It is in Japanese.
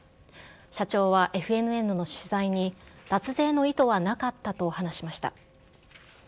社長はＦＮＮの取材に、脱税の意図はなかったと話しました。